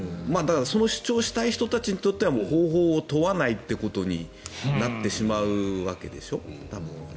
その主張をしたい人たちにとっては方法を問わないことになってしまうわけでしょ多分。